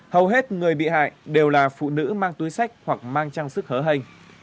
hầu hết người bị hại đều là phụ nữ mang túi sách hoặc mang trang sức hớ hình